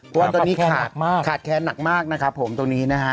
เพราะว่าตอนนี้ขาดแค้นหนักมากนะครับผมตรงนี้นะฮะ